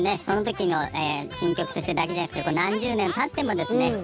そのときの新曲としてだけではなくて何十年たってもですね